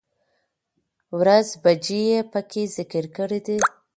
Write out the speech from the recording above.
،ورځ، بجې په کې ذکر کړى دي